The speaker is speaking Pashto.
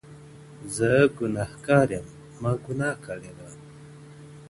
زه گنهـكار يــم مــــا گـنــاه كــــــړېــــــده.